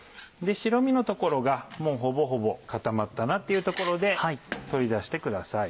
白身の所がほぼほぼ固まったなっていうところで取り出してください。